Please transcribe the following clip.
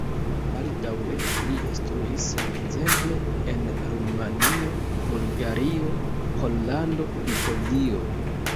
Baldaŭe li instruis ekzemple en Rumanio, Bulgario, Pollando, Litovio.